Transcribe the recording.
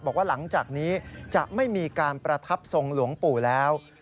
บอกว่าหลังจากนี้จะไม่มีการประทับทรงหลวงปู่แล้ว